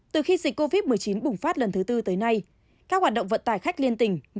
từ khi dịch covid một mươi chín bùng phát lần thứ tư tới nay các hoạt động vận tải khách liên tỉnh